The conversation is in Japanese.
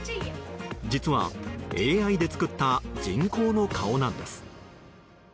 実は、ＡＩで作った人口の顔なんです。